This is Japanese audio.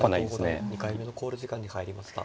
斎藤五段２回目の考慮時間に入りました。